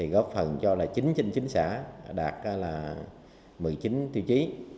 góp phần cho là chính trình chính xã đạt một mươi chín tiêu chí